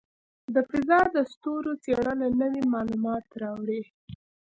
د فضاء د ستورو څېړنه نوې معلومات راوړي.